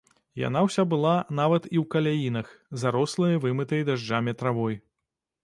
Яна ўся была, нават і ў каляінах, зарослая вымытай дажджамі травой.